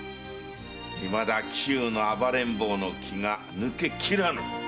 いまだ紀州の暴れん坊の気が抜けきらぬ！